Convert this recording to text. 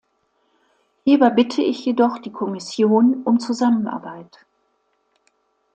Hierbei bitte ich jedoch die Kommission um Zusammenarbeit.